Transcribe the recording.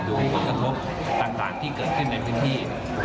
ดูผลกระทบต่างที่เกิดขึ้นในพื้นที่